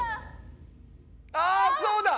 ああそうだ！